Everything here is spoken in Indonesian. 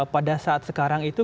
pada saat sekarang itu